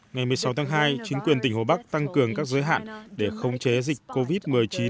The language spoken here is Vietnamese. ngày một mươi sáu tháng hai chính quyền tỉnh hồ bắc tăng cường các giới hạn để khống chế dịch covid một mươi chín